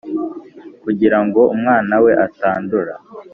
kugira ngo umwana we atandura.